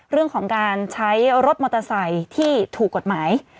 เรื่องของการใช้รถมอเตอร์ไซค์ที่ถูกกฎหมาย